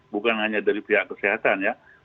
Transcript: bukan hanya dari pihak kesehatan ya